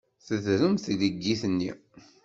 Tedrem tleggit-nni.